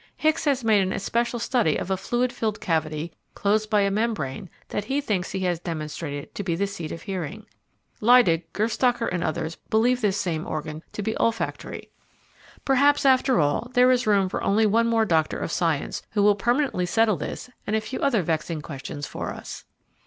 Hicks has made an especial study of a fluid filled cavity closed by a membrane that he thinks he has demonstrated to be the seat of hearing. Leydig, Gerstaecker, and others believe this same organ to be olfactory. Perhaps, after all, there is room for only one more doctor of science who will permanently settle this and a few other vexing questions for us.